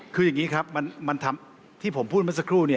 คืออย่างนี้ครับที่ผมพูดเมื่อสักครู่เนี่ย